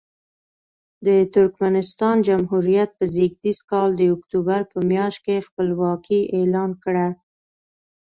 د ترکمنستان جمهوریت په زېږدیز کال د اکتوبر په میاشت کې خپلواکي اعلان کړه.